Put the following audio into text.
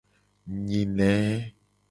Nyine.